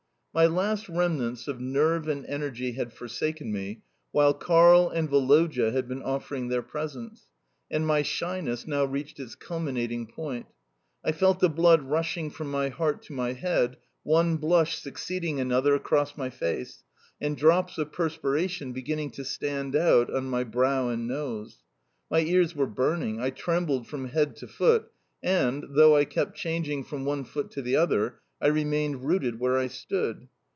My last remnants of nerve and energy had forsaken me while Karl and Woloda had been offering their presents, and my shyness now reached its culminating point, I felt the blood rushing from my heart to my head, one blush succeeding another across my face, and drops of perspiration beginning to stand out on my brow and nose. My ears were burning, I trembled from head to foot, and, though I kept changing from one foot to the other, I remained rooted where I stood.